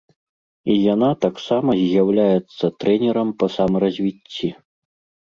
І яна таксама з'яўляецца трэнерам па самаразвіцці!